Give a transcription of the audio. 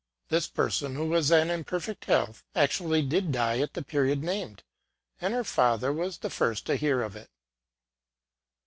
This person, who was then in perfect health, actually did die at the period named, and her father was the first to hear of it.